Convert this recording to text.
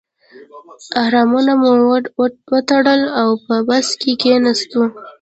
احرامونه مو وتړل او په بس کې کیناستو.